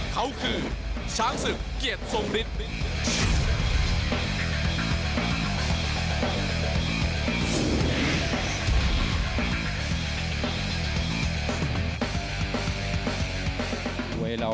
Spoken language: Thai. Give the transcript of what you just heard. เขาคือช้างศึกเกียรติทรงฤทธิ์